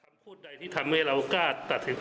วันคืน